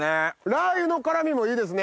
ラー油の辛みもいいですね。